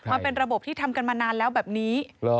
มันเป็นระบบที่ทำกันมานานแล้วแบบนี้